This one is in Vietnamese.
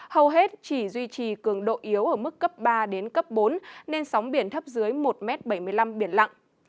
hầu hết chỉ duy trì cường độ yếu ở mức cấp ba đến cấp bốn nên sóng biển thấp dưới một bảy mươi năm biển lặng